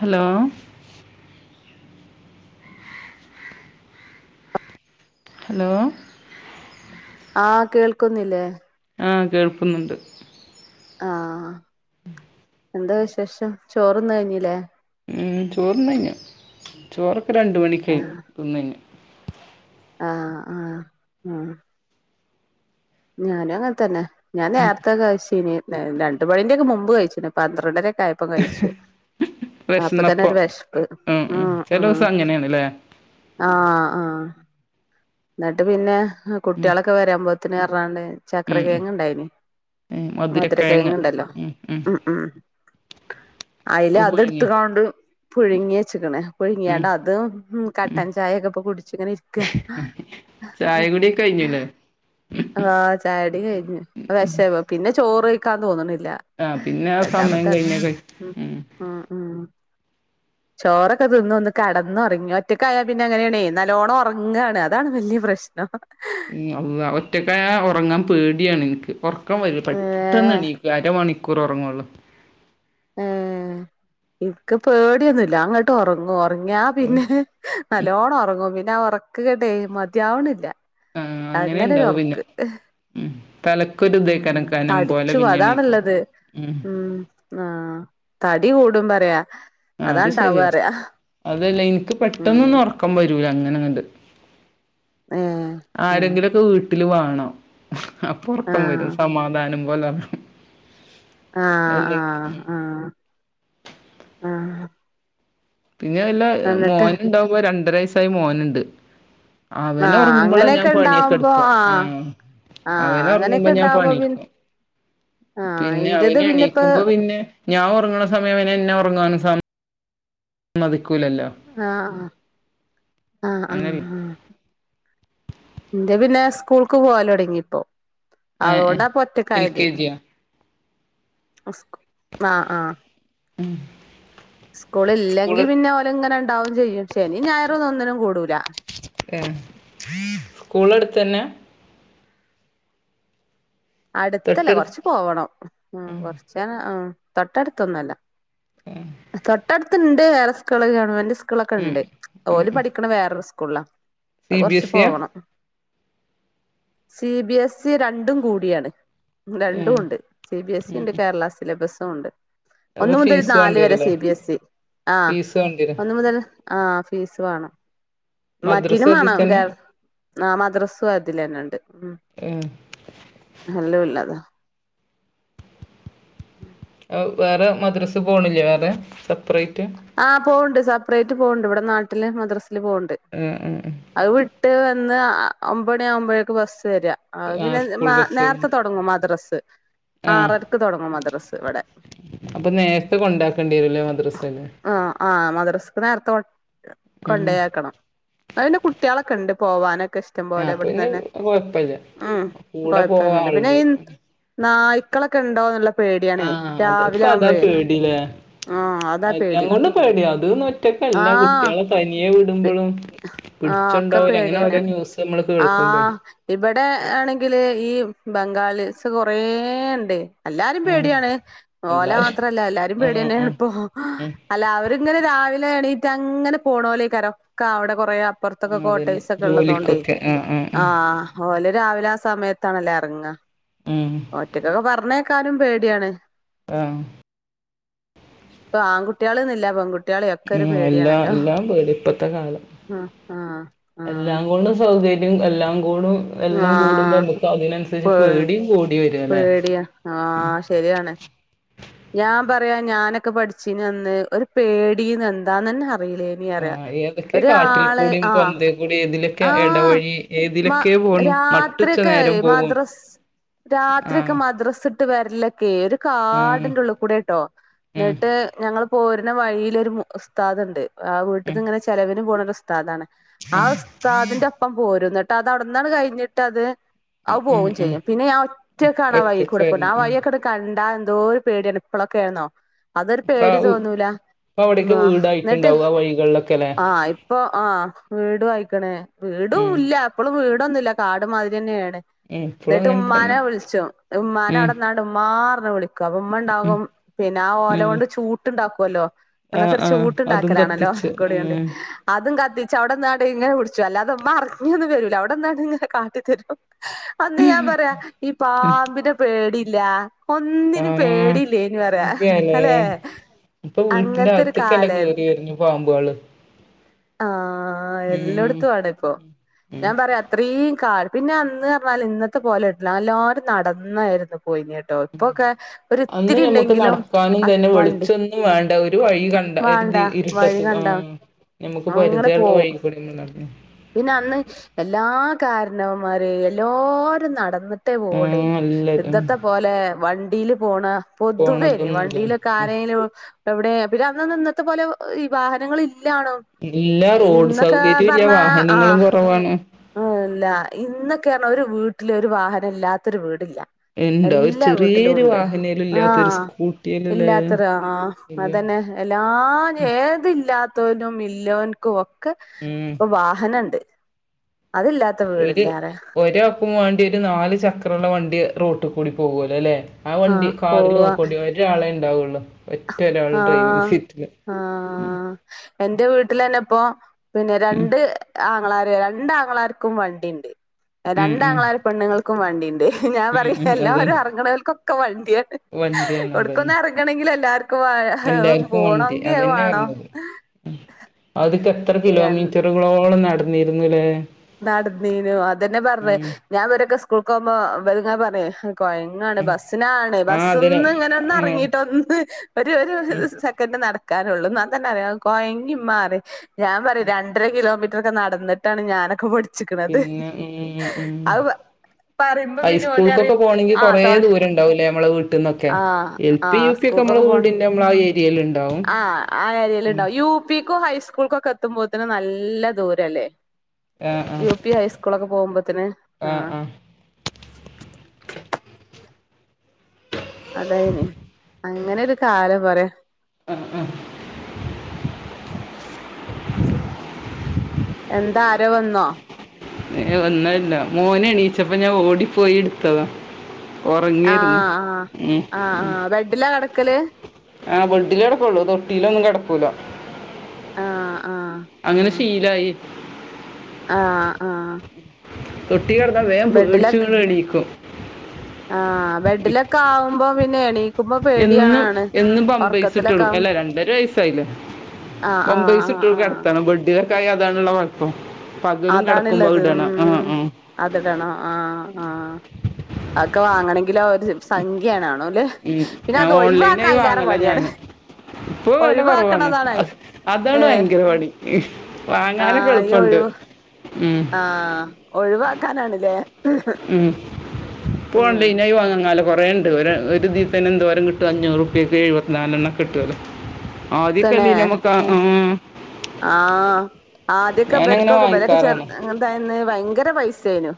Hello hello ആഹഹ് കേൾക്കുന്നില്ലേ ആഹ് കേൾക്കുന്നുണ്ട് ആഹ് എന്താ വിശേഷം ചോറ് തിന്ന് കഴിഞ്ഞിലേ ചോറു തിന്നു കഴിഞ്ഞു ചോറൊക്കെ രണ്ട് മണിക്കഴ് ആഹ് തിന്നഴ്ഞ്ഞു ആഹ് ആഹ് ഉം ഞാനും അങ്ങൻത്തന്നെ ഞാൻ നേരത്തെ കഴ്ച്ചീനീ രണ്ട് മണിന്റ മുമ്പ് കഴിച്ച്ണ് പന്ത്രണ്ടരക്കായ [unintelligible] പ്പ കഴിച്ചു അപ്പൊത്തന്നെ വിശന്നപ്പോ ഒരു വെശ്പ്പ് ഉം ചില ഉം ദിവസം അങ്ങനെയാണ്ല്ലേ ആഹ് ആഹ് ന്നട്ട് പിന്നെ ഉം കുട്ട്യാളൊക്കെ വരാൻമ്പോത്ത [unintelligible] ചക്ര ഉം കേങ്ങ്ണ്ടായിനി മധുര കേങ്ങ്ണ്ടല്ലോ ഉം ഉം അയ്ല അത് പുഴുങ്ങി എടുത്തകാണ്ട് പുഴുങ്ങി വെച്ച്ക്ക്‌ണ് ഉം പുഴ്ങ്ങിയാണ്ടതും കട്ടൻ ചായൊക്കെപ്പൊ കുടിച്ച്ങ്ങനിര്ക്ക ചായകൂടിയൊക്കഴിഞ്ഞുല്ലേ ആ ചായുടി കഴിഞ്ഞു വിശ പിന്നെ ചോറയ്ക്കാൻ തോന്ന്ണില്ല ആഹ് പിന്നെ ആ സമയം കഴിഞ്ഞ ക ഉം ആഹ് ഉം ചോറൊക്കെ തിന്ന ഒന്ന് കടന്നൊർങ്ങി ഒറ്റക്കായാ പിന്നെ അങ്ങനേണേ നല്ലോണൊർങ്ങാണ് അതാണ് വല്യ പ്രശ്നം നം ഉം [unintelligible] ഒറ്റക്കായാ ഉർങ്ങാൻ പേടിയാണ് ഇൻക്ക് ഒർ ക്കം വരൂല പെട്ടെന്ന് ഏഹ് എണീക്കും അരമണിക്കൂറ് ഒറങ്ങുള്ളൂ ഏ ഇൻക്ക്‌ പേടിയൊന്നുല്ല അങ്ങ ട്ടൊറങ്ങും ഒർങ്ങിയാ പിന്നെ നല്ലോണം ഒറങ്ങും പിന്നെ ക്ക്‌ങ്ങട്ടെ മതിയാവ്ണില്ല ആഹ് അങ്ങനെണ്ടാവും അങ്ങനൊരൊർക്ക് പിന്നെ ഉം തലക്കൊരു ഉം തേക്കാരം കനം പോലെ തടിച്ചു പിന്നെണീക്കു അതാണുള്ളത് ഉം ആഹ് തടി കൂടും പറയാ ആ അത് അതാണ്ടാവ ശരിയാ പറയാ അതല്ല ഇൻക്ക് ഉം പെട്ടെന്നൊന്നും ഒർക്ക ഉറക്കം വരൂല അങ്ങനെങ്ങട്ട് ഏഹ് ഏഹ് ആരെങ്കിലൊക്കെ വീട്ടില് വാണം അപ്പൊർക്കം വരും ആഹ് സമാധാനം പോലൊർങ്ങും ആഹ് ആഹ് ആഹ് ആഹ് പിന്നെ വല്ല എന്നിട്ട് മോനുണ്ടാവുമ്പോ രണ്ടര വയസായ മോനുണ്ട് ആഹ് അവനൊർങ്ങുമ്പളാ ഞാൻ അങ്ങനെയൊക്കെ പണിയൊക്കെ ഉണ്ടാവുമ്പോ എടുക്ക ആഹ് ആഹ് അവനൊർങ്ങുമ്പോ അങ്ങനെയൊക്കെ ഞാൻ ഉണ്ടാവുമ്പോ പിന്നെ പണിട്ക്കും ആഹ് പിന്നെ ഇന്റത് പിന്നെപ്പോ അവനെണീക്കുമ്പോ പിന്നെ ഞാൻ ഉർങ്ങ്ണ സമയം പിന്നെന്നെർങ്ങാനും സ മ്മതിക്കൂലല്ലോ ആഹ് ആഹ് ആഹ് അങ്ങനല്ലേ ആഹ് ആഹ് ന്റെ പിന്നെ സ്കൂൾക്ക് പോവലൊട്ങ്ങിപ്പൊ ഏ ഏ എൽ അതോണ്ടാപ്പൊറ്റക്കായത് കെ ജിയാ ആഹ് ആഹ് ഉം സ്കൂള്ല്ലെങ്കി പിന്നെ ഓല്ങ്ങനെണ്ടാവും ചെയ്യും ശനീം ഞായറൊന്നും ഒന്നിനും കൂടൂല ഏഹ് സ്കൂളെട്ത്തന്നെ അടുത്തല്ല തൊട്ടടുത്ത് കൊർച്ച് പോവണം കൊറച്ച് തൊട്ടടുത്തൊന്നല്ല തൊട്ടടുത്ത്ണ്ട് വേറെ സ്കൂള് ഗവൺമെന്റ് ഉം സ്കൂളൊക്കെണ്ട് ഉം ഓല് ഉം പഠിക്ക ക്ക്‌ണ വേറൊരു സ്കൂള്ളാ അത് സി ബി കൊർച്ച് എസ് സിയാ പോവണം സി ബി എസ് ഇ രണ്ടും കൂടിയാണ് ഏ രണ്ടും ഉം ഉണ്ട് സി ബി എസ് ഇ ണ്ട് ഉം കേരള സിലബസും ഉണ്ട് അപ്പൊ ഒന്ന് മുതൽ ഫീസ് നാല് വരെ വേണ്ടിവരൂല്ലേ സി ബി എസ് ഇ ആ ഫീസ് വേണ്ടിവരും ഒന്ന് മുതൽ ആഹ് ഫീസ് വേണം മദ്രസ മറ്റിനും അതി വേണം തന്നെ കേ ആ മദ്രസു അതിലന്നെ ഉണ്ട് ഉം ഏഹ് ഹല്ലു ഇല്ലതോ വേറെ മദ്രസ് പോണില്ലേ വേറെ സെപ്പറേറ്റ് ആഹ് പോവണ്ട് സെപ്പറേറ്റ് പോകണ്ട് ഇവിടെ നാട്ടില് മദ്രാസൽ പോവണ്ട് ആഹ് ആഹ് ആഹ് അത് വിട്ട് വന്ന് ഒമ്പണി ആകുമ്പോഴേക്കക്ക് ബസ്സ് വരിക ആ പിന്നെ സ്കൂൾ ബസ് നേരത്തെ തുടങ്ങും മദ്രസ് ആ ആറരക്ക് തുടങ്ങും മദ്രസ് ഇവിടെ അപ്പൊ നേരത്തെ കൊണ്ടാക്കേണ്ടിരല്ലോ മദ്രസയില് ആഹ് ആഹ് മദ്രസക്ക് നേരത്തെ ഉം കൊണ്ടോയ് ആക്കണം അതിന്റെ കുട്ടികളൊക്കെണ്ട് പോകാനൊക്കെ ഇഷ്ട റ്റം ആ പോലെ അപ്പൊ ഇവിടന്ന് പിന്നെ തന്നെ കൊഴപ്പല്ല ഉം കൂടെ പോവാൻ കോഴപ്പന്നില്ല പിന്നെ ഈ ആളുണ്ട് നായ്ക്കളൊക്കെ ഇണ്ടോന്നല്ല പേടിയാണേ ആഹ് അത് ഇപ്പ രാവിലെ അതാ ആവുമ്പോഴേ പേടില്ലേ ആ അതാ എല്ലാം പേടി കൊണ്ടും പേടിയാ അത ന്ന ആ ഒറ്റക്കല്ല കുട്ടികളെ തനിയെ വിടുമ്പളും ആ ഒക്കെ പിടിച്ചുണ്ടാവൂല പേടി അങ്ങനെ തന്നെയാണ് ഓരോ ന്യൂസ് നമ്മള് കേൾക്കുമ്പേ ആഹ് ഇവിടെ ആണെങ്കില് ഈ ബംഗാളിസ് കൊറേണ്ട് എല്ലാരും ഉം പേടിയാണ് ഓല എല്ലാരും മാത്രല്ല എല്ലാരും ഉം പേടിയന്നെയാണ് ഉം ഇപ്പൊ ഉം അല്ല അവരിങ്ങനെ രാവിലെ എണീറ്റ് അങ്ങന പോണലേക്കരോക്ക അവിടെ കൊറേ പുറത്തൊക്കെ ആഹ് അതന്നെ കോട്ടേസ് ഒക്കെ ഉള്ളതുകൊണ്ടേ ജോലിക്കൊക്കെ ആഹ് ആഹ് ആ ഓല് രാവിലെ ആ സമയത്താണല്ലേ ഇറങ്ങ ആഹ് ഉം ഒറ്റക്കൊക്കെ പറഞ്ഞേക്കാനും പേടിയാണ് ആഹ് ഇപ്പ ആൺകുട്ടികളൊന്നില്ല പെൺ ആ എല്ലാം എല്ലാം പേടി ഇപ്പത്തെ കാലം ആഹ് ആഹ് ആഹ് ഒന്ന് സൗദി എല്ലാം കൂടും അതെല്ലാം കൂടുമ്പോ ആഹ് നമുക്ക് അതിനനുസരിച്ച് പേ പേടിയും കൂടി വരും അല്ലെ പേടിയാ ആഹ് ശരിയാണ് ഞാൻ പറയാ ഞാനൊക്കെ പഠിച്ചി അന്ന് ഒരു പേടിന്ന് എന്താന്ന്ന്നെ അറിയിലേ നി അറിയാ ആഹ് ഏതൊക്കെ കാട്ടിൽ ഒരാള് കൂടിയും ആഹ് പൊന്തേ കൂടി ഏതിലൊക്കെ ആഹ് ഇടവഴി മ ഏതിലൊക്കെ പോണു മട്ടുച്ച നേരം പോകും രാത്രി ഒക്കെ ആഹ് മദ്രസ് ഇട്ട് വരലൊക്കെ ഒരു ആഹ് കാടിന്റെ ഉള്ളിൽ കൂടെട്ടോ ഉം എന്നിട്ട് ഞങ്ങള് പോരുന്ന വഴിയിലൊരു ഉസ്താദുണ്ട് ആ ഉം വീട്ടിന്നിങ്ങനെ ചെലവിന് പോണ ഒരു ഉസ്താദാണ് ആ ഉസ്താദിന്റെ ഒപ്പം പോരും എന്നിട്ട് അത് അവിടെന്നാണ് കഴിഞ്ഞിട്ട് അത് അത് ഉം പോകും ഉം ചെയ്യും പിന്നെ ഞാൻ ഒറ്റക്കാണ് ഒറ്റക്ക് വഴിക്കൂടെ പോണെ ആ വരണം ഉം വഴിയൊക്കെ കണ്ടാ എന്തോ ഒരു പേടിയാണ് ഇപ്പളൊക്കെ ആരുന്നോ അതൊരു ഇപ്പ പേടി തോന്നൂല ഇപ്പ അവിടേക്ക് എന്നിട്ട് വീടായിട്ടുണ്ടാവും ആ വഴികളിലൊക്കെല്ലേ ആഹ് ഇപ്പൊ ആഹ് വീട് വായിക്കണേ വീടും ഉം ഇല്ല അപ്പളും വീടൊന്നുംല്ല കാട്മാതിരി തന്നെയാണ് ഉം ഇപ്പളും എന്നിട്ട് അങ്ങനെ തന്നെ ഉമ്മാനെ വിളിച്ചു ഉമ്മാനെ ഉം അവിടെന്നാണ്ട് ഉമ്മാറിഞ്ഞ് വിളിക്കും അപ്പൊ ഉമ്മ ഉം ഉണ്ടാകും പിന്നെ ആ ഓല ഉം കൊണ്ട് ചൂട്ടുണ്ടാക്കുവല്ലോ അന്നൊക്കെ ആഹ് ഒരു ആഹ് അതും ചൂട്ടുണ്ടാക്കലാണല്ലോ കത്തിച്ച് ഓലകൊടിയോണ്ട് ഉം അതും കത്തി ചവിട ന്ന ണ്ട് ങ്ങനെ പി അല്ലാത അമ്മ അറിഞ്ഞിത് തരൂല അവിടെന്താണ്ട്ഇങ്ങനെ കാട്ടിത്തരും അന്ന് ഞാൻ പറയാ ഈ ഉം പാമ്പിനെ പേടില്ല ഒന്നിനു ആഹ് പേടില്ലേ നു പറയാ ശരിയാല്ലേ അല്ലെ ഇപ്പൊ വീട്ടിന്റെ അങ്ങനത്തെ ഒരു അകത്തേക്കല്ലെ കേറി വരുന്നു പാമ്പുകള് ആഹ ഉം എല്ലായിടത്തും ആണ്ഇപ്പൊ ഉം ഞാൻ പറയാ അത്രയും കാ പിന്നെ അന്ന് പറഞ്ഞാല് ഇന്നത്തെ പോലെ ല്ല എല്ലാവരും നടന്നായിരുന്നു പോയിനട്ട് അന്ന് ഞമ്മുക്ക് നടക്കാനും ആ തന്നെ വണ്ടി വെളിച്ചൊന്നും വേണ്ട ഒരു വഴി കണ്ട വേണ്ട വഴി ഒരു ആ കണ്ട നമുക്ക് അങ്ങനെ പരിചയമുള്ള പോവും വഴി കൂടിൾ നടു പിന്നെ അന്ന് എല്ലാ കാരണവമാര് എല്ലാരും നടന്നിട്ട് ട്ടേ ആ പോവൂല്ലേന്നു നല്ല ഉം ഇന്നത്തെ പോലെ വണ്ടിൽ പോണ പൊതുവേനെ പോണതൊന്നുല്ല വണ്ടിയിലൊക്ക ഉം ആരേലും എവിടെ പിന്നെ അന്നൊന്നും ഇന്നത്തെ പോലെ ഈ വാഹനങ്ങ ഇല്ലാണോ ഇല്ല റോഡ് ഇന്നൊക്കെ സൗകര്യം ഇല്ല വാഹനങ്ങളും കുറവാണ് ആല്ല ഇന്നൊക്കെനറഞ്ഞ ഒരു വീട്ടില് ഒരു വാഹനം ഇല്ലാത്തൊരു വീടില്ല എന്താ ഒരു എല്ലാ വീട്ടിലും ചെറിയൊരു ഉണ്ട് വാഹനേലും ഇല്ലാത്തൊരു ആഹ് സ്കൂട്ടിയേലുംല്ലേ ഇല്ലാത്ത ആ ശരിയാ അതന്നെ എല്ലാ ഏതില്ലാതോനും ഉള്ളൊന്കും ഒക്കെ ഉം ഇപ്പൊ വാഹനം ണ്ട് അതല്ലാ ഒരു ഒര ആക്കും വേണ്ടി ഒരു നാല്ു ചക്രമുള്ള വണ്ടി റോട്ടിൽ കൂടി പോകല്ലോ അല്ലേ ആ വണ്ടി ആഹ് കാറി പോവാ നോക്കൊണ്ടി ഒരാളെ ഉണ്ടാവുള്ളു ഒറ്റ ഒരാൾ ഡ്രൈവിങ് ആഹ് സീറ്റില് മ് ആഹ് എന്റെ വീട്ടിൽ തന്നെ ഇപ്പോ പിന്നെ ഉം രണ്ട് ആങ്ങളാർ രണ്ടാങ്ങളാർക്കും വണ്ടിണ്ട് ഉം ഉം രണ്ട്ാംഗങ്ങളാാര പെണ്ണുങ്ങൾക്കും വണ്ടിയുണ്ട് ഞാൻ ഉം പറ ഉം എല്ലാരും എ അതന്നെ റങ്ങണൽക്കൊക്കെ വണ്ടിയാണ് വണ്ടിയാണ് അതന്നെ ആണെങ്കിൽ എല്ലാവർക്കും് പോണമെങ്കിൽ അത് വേണം ആദ്യക്കെ എത്ര കിലോമീറ്ററുകളോളം നടന്നിരുന്നുലേ നടന്നീനു അതന്നെ പറഞ്ഞത് ഞാൻ വരൊക്കെ സ്കൂൾക്ക് പോകുമ്പോ വൽങ്ങനെ പറയുംകോ ഉം ബസിനാണ് ആ ബസ് അതിന് ഒന്ന് ഇങ്ങനെ ഉം ഒന്ന്റങ്ങിട്ട ഒന്ന് ഒരു ഒരു ഉം സെ സെക്കന്റ്‌ നടക്കാനുള്ളൂ എന്നാ തന്നെ പറയ കോയങ്ങി മമാറി യുംഞാൻ പറയും രണ്ട് ണ്ടര കിലോമീറ്റർ ഒക്കെ നടന്നിട്ടാണ് ഞാനൊക്കെ പടി പിന്നെ ഉ ഉ പറയുമ്പോ പിന്നെ ഓല് ഹൈസ്കൂൾക്കൊക്കെ പറയും പോകണെങ്കിൽ ആ കൊറെ തൊ ദൂരം ഉണ്ടാവൂല്ലേ നമ്മളെ വീട്ടിൽന്നൊക്കെ ആ എൽ ആ പി യു പി ഒക്കെ നമ്മൾ സ്കൂൾക്കൊക്കെ പോണ വീടിൻന്റെ നമ്മളെ ആ ഏരിയയിൽ ഉണ്ടാവും ആ ആ ഏരിയൽ ഉം ഉണ്ടാവും യുപിക്കും ഹൈസ്കൂൾക്കൊക്കെ എത്തുമ്പോത്തന് നല്ല ദൂരല്ലേ ആ യു പി ഹൈസ്കൂളൊക്കെ പോകുമ്പോത്തിന് ആ അതായിന് അങ്ങനൊരു കാലം പറയാ ആഹ ആഹ എന്താ അരോ വന്നോ? ഏ വന്നല്ല മോനെ എണീച്ചപ്പോ ഞാൻ ഓടിപ്പോയി എടുത്തതാ ആഹ ഉറങ്ങിയിരുന്നു ആഹ് ഉം. ആഹ് ആഹ ബെഡ്ഢില കിടക്കല് ആഹ ബെഡിലേ കടക്കുള്ളൂ തൊട്ടിയിലോ ഒന്നും കിടക്കൂലോ ആഹ് ആഹ് അങ്ങനെ ശീലായി ആഹ ആഹ തൊട്ടി കടന്നാ വേം പേടിച്ച എണീക്കും ആഹ ബെഡിലൊക്കെ ആവുമ്പോ പിന്നെ എണീ എന്നും എന്നും ഒറക്കത്തിലൊക്കെ പമ്പഴസിിട്ടുള്ളു അല്ല ആവുമ്പോ രണ്ടര വയസായില്ലേ ആഹ് ആഹ് ആഹ് പംബൈസിറ്റ് ആഹ് കെടത്തണം ബഡിലൊക്കെ ആയാ അതാണ് ള്ള മടി അപ്പ പകലും കെടക്കുമ്പോ അത്ടണം ആ ആ അത്ടണോ ആ ആ അക്കെ വാങ്ങണമെങ്കിൽ ഒരു സംഖ്യ ഉം. പിന്നെ ഞാൻ അത് ഒഴിവാക്കാൻ ഓൺലൈനായി അയിലേറെ വാങ്ങല പണിയാണ്. ഞാന് ഇപ്പൊ വില കുറവാണ് ഒഴിവാക്കണതാണ് അതാണ് ഏഹ് ഭയങ്കര പണി വാങ്ങാനൊക്കെ എളുപ്പണ്ട്. ഉം ആഹ ഒഴിവാക്കാനാണല്ലേ. ഉം ഇപ്പോ ഓൺലൈന് ആയി വാങ്ങാല്ലോ കുറേണ്ട് ഒരു ഒരുതീ തന്നെ എന്തോരം കിട്ടും അഞ്ഞൂറുപ്യക്ക് എഴുപത്തിനാലെണ്ണംക്കെ കിട്ടുല്ലോ ആദ് [unintelligible] ആ ആഹ ആദ്യയൊക്കെ ഞാനങ്ങനെ ഇബർക്കൊക്കെ ഇബരൊക്കെ വാങ്ങിക്കാറാണ് ചെർതായിനെന്ന് ഭയങ്കര പൈസേ നു.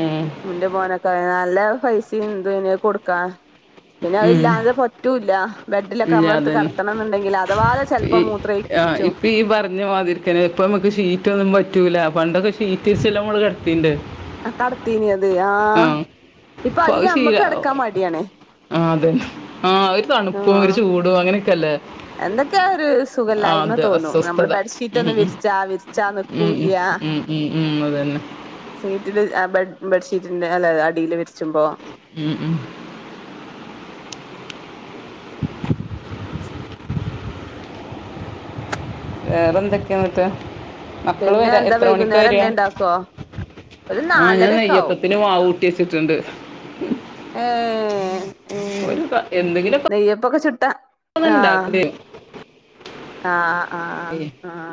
ഉം. ഇന്റെ മോനൊക്കെ നല്ല പൈസിം ഇതും എനു അത് കൊടുക്കാ പിന്നെ ഉം. അതില്ലാതെ പറ്റൂല്ല ബെഡിലൊക്കെ ഇല്ല നമ്മള അടുത്ത് അതന്നെ കിടത്തണം എന്നുണ്ടെങ്കിൽ അഥവാലെ ചെലപ്പോ ഈ മൂത്ര ആ ഇപ പറഞ്ഞ മാതിരിക്കെ ഇപ്പൊ നമുക്ക് ഷീറ്റ ഒന്നും പറ്റൂല പണ്ടൊക്കെഷീറ്റ് വിരിച്ചല്ലെ നമ്മള് കിടത്തിണ്ട് ആ കടത്തീനിയത് ആ ഇപ്പൊ അപ്പൊ അത് അയില് ശീല അമ്മക്ക് കിടക്കാൻ മടിയാണ്. ആ അതെ ആഹ ഒരു തണുപ്പും ഒരു ആഹ് ചൂടും അങ്ങനെയൊക്കല്ലേ. എന്തൊക്കെയാ ഒരു സുഖല്ലായ്മ തോന്നുന്നു നമ്മള് അസ്വസ്ഥത ബെഡ്ഷീറ്റ് ഉം ഒന്നും വിരിച്ചാ വിരിച്ചാ ഉം ഉം നിൽക്കൂല. ഉം ഉം ഉം അതു തന്നെ സീറ്റില് ബെഡ്ഷീറ്റിന്റെ അല്ലതെ അടിൽ വിരിച്ചുമ്പോ. ഉം ഉം [inaudible] വേറെ എന്തൊക്കെയന്നിട്ട് മക്കള് പിന്നെ വരാ എന്താ എത്ര മണിക്കാ വൈകുന്നേരം വരുവാ. എന്തേ ഉണ്ടാക്കുവോ ഒരു ആഹ ഞാൻ നാലരൊക്കെ ആവും നെയ്യപ്പത്തിന് മാവ് കൂട്ടി വെച്ചിട്ടുണ്ട്. ഏ ഏ ഒരു എന്തെങ്കിലും നെയ്യപ്പൊക്കെ ചുട്ടാ [inaudible] [unintelligible] ആഹ ആഹ് ആഹ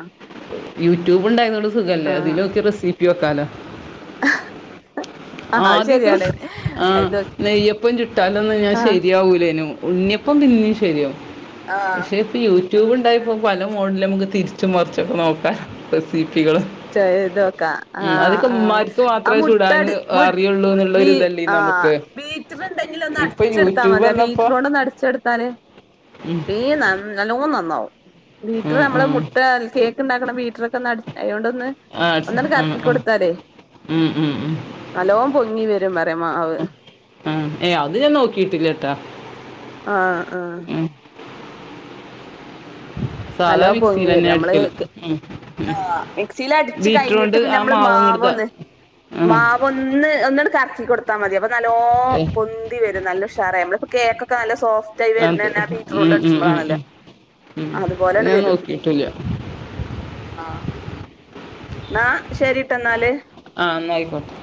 യൂട്യൂബ് ഉണ്ടായോണ്ട് സുഖല്ലേ ആഹ് അതിലൊക്കെ റെസിപ്പി വെക്കാലോ ആഹ് അത് ആദ്യ ഒക്കെ ശരിയാണ് ആ അത് നെയ്യപ്പം ചുട്ടാലൊനും ഞാൻ ആഹ് ശരിയാവൂലേനു ഉണ്ണിയപ്പം പിന്നിം ശരിയാവും ആഹ് പക്ഷേ ഇപ്പ യൂട്യൂബ് ഉണ്ടായപ്പോൾ പ മോഡിൽ നമുക്ക് തിരിച്ചും മറിച്ചൊക്കെ നോക്കാം റെസിപ്പികള്. ചെയ്തോക്കാ ആഹ ആ ആ മാത്രമേ ചുടാൻ മുട്ടടി മു അറിയുള്ളൂ എന്നുള്ളൊരു ഇതല്ലേ ആ നമുക്ക് ബീറ്റിലുണ്ടെങ്കിലിൽ ഒന്ന് ഇപ്പൊ അടച്ചെടുത്താൽ യൂട്യൂബ് മതിയാ വന്നപ്പോ ബീറ്ററുകൊണ്ടൊന്ന് അടച്ചെടുത്താല് ഉം, വേ നല്ലോ നന്നാവും. വീട്ടില് ഉം, നമ്മള് ഉം. മുട്ട കേക്ക് ഇണ്ടാക്കണ [unintelligible] ആ ആ ആ ഉ ഉ ഉ നല്ലോം പൊങ്ങി വരും പറയാ മാവ് ആ. ഏ അത് ഞാൻ നോക്കിയിട്ടില്ല ആഹ ആഹ ഉം [inaudible] സാധാ നല്ലോ പൊങ്ങി മിക്സിൽന്നെ വരും നമ്മള് അടിക്കല ഉം ഉം മിക്സിൽ അടിച്ച് കഴിഞ്ഞിട്ട് ബീറ്റേറോണ്ട് പിന്നെ ആ മാവും ഇ [unintelligible] ആ ഒന്ന് ഒന്നാണ്ട് കറക്കി കൊടുത്താൽ മതി അപ്പൊ നല്ലോ ഏ, പൊന്തി വരും നല്ല ഉഷാറ. നമ്മള് ഇപ്പോ കേക്കൊകെ നല്ല സോഫ്റ്റയി അത് വരണെന്നെ ആ ബീറ്ററോണ്ട് ഉം, ഉം, ഉം, അടിച്ചുമ്പളാണല്ലോ. ഉം, ഉം. അത് അതുപോലെയാണ്ട് ഞാൻ വരും നോക്കിയിട്ടില്ല ആ ന്ന ശരിട്ടോ എന്നാല് ആഹ് നാ ആയിക്കോട്ടെ